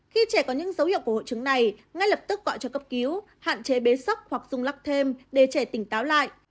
khi trẻ có những dấu hiệu của hội chứng này ngay lập tức gọi cho cấp cứu hạn chế bế sốc hoặc rung lắc thêm để trẻ tỉnh táo lại